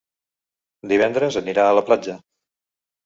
Divendres anirà a la platja.